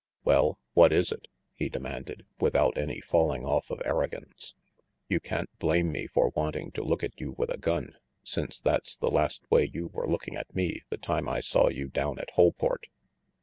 "Well, what is it?" he demanded, without any falling off of arrogance. "You can't blame me for wanting to look at you with a gun, since that's the last way you were looking at me the time I saw you down at Holport."